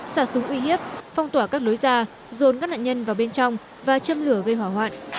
xả súng uy hiếp phong tỏa các lối ra dồn các nạn nhân vào bên trong và châm lửa gây hỏa hoạn